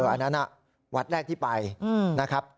อันนั้นวัดแรกที่ไปนะครับ